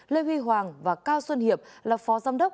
lê huy hoàng và cao xuân hiệp là phó giám đốc